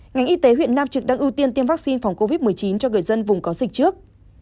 ngành y tế huyện nam trực đang ưu tiên tiêm vaccine phòng covid một mươi chín cho người dân vùng có dịch trước